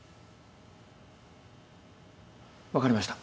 分かりました。